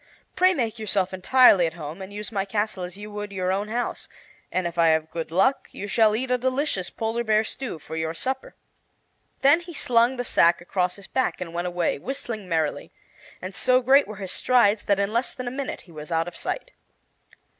"Pray make yourself entirely at home, and use my castle as you would your own house, and if I have good luck you shall eat a delicious polar bear stew for your supper." Then he slung the sack across his back and went away, whistling merrily. And so great were his strides that in less than a minute he was out of sight.